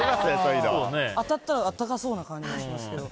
当たったら温かそうな感じがしますけど。